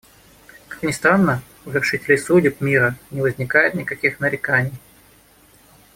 Как ни странно, у вершителей судеб мира не возникает никаких нареканий.